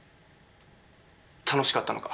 楽しかったのか？